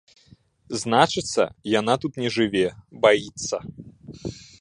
Значыцца, яна тут не жыве, баіцца.